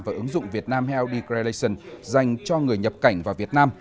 và ứng dụng việt nam health degradation dành cho người nhập cảnh vào việt nam